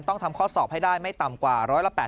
ต้องทำข้อสอบให้ได้ไม่ต่ำกว่า๑๘๐